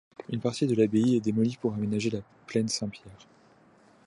Une partie de l'abbaye est démolie pour aménager la plaine Saint-Pierre.